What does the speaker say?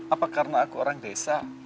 apa karena aku orang desa